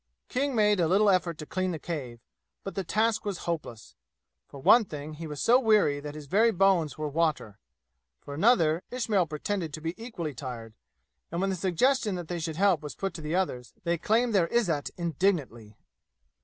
King made a little effort to clean the cave, but the task was hopeless. For one thing he was so weary that his very bones were water; for another, Ismail pretended to be equally tired, and when the suggestion that they should help was put to the others they claimed their izzat indignantly.